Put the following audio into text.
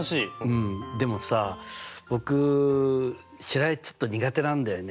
うんでもさ僕白あえちょっと苦手なんだよね。